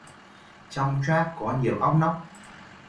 Trong choác có nhiều óc nóc